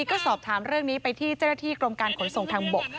ก็สอบถามเรื่องนี้ไปที่เจ้าหน้าที่กรมการขนส่งทางบก